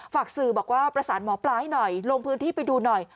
ฝากสื่อบอกว่าประสานหมอปลาให้หน่อยลงพื้นที่ไปดูหน่อย